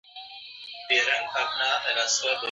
مڼه ولې ځمکې ته راغورځیږي؟